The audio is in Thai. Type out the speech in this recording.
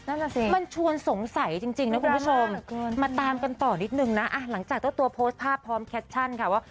นั่นแหละสิมันชวนสงสัยจริงนะคุณผู้ชมมาตามกันต่อนิดนึงนะหลังจากเจ้าตัวโพสต์ภาพพร้อมแคปชั่นค่ะว่า